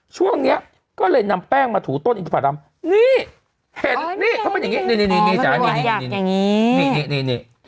ช่วงเนี้ยก็เลยนำแป้งมาถูต้นอินทรัพยารามนี่เห็นเข้าเป็นอย่างนี้นี่อย่างนี้